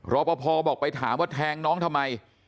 รอปภบอกไปถามว่าแทงน้องทำไม